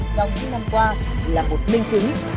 trong những năm qua là một minh chứng